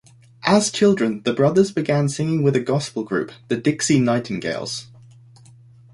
As children, the brothers began singing with a gospel group, the Dixie Nightingales.